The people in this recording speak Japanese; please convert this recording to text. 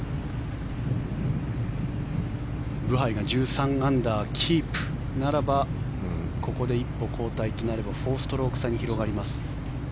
ブハイが１３アンダーキープならばここで一歩後退となれば４ストローク差に広がります。